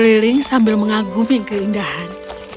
berkeliling sambil mengagumi keindahan